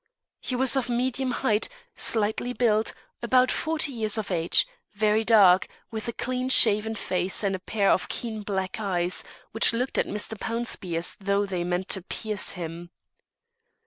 He was of medium height, slightly built, about forty years of age, very dark, with a clean shaven face and a pair of keen black eyes, which looked at Mr. Pownceby as though they meant to pierce him.